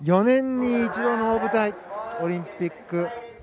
４年に一度の大舞台オリンピック。